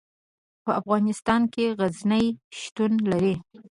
په افغانستان کې غزني شتون لري.